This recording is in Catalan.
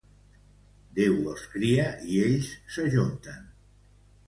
Déu els cria i ells s'ajunten